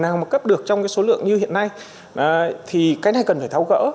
nào mà cấp được trong cái số lượng như hiện nay thì cái này cần phải tháo gỡ